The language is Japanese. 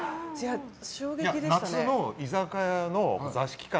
夏の居酒屋の座敷か